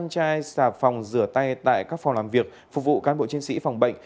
năm chai xà phòng rửa tay tại các phòng làm việc phục vụ cán bộ chiến sĩ phòng bệnh